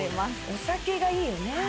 お酒がいいよね。